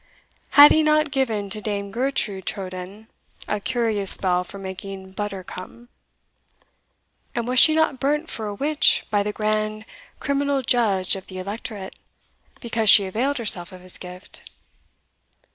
Had he not given to Dame Gertrude Trodden a curious spell for making butter come? and was she not burnt for a witch by the grand criminal judge of the Electorate, because she availed herself of his gift?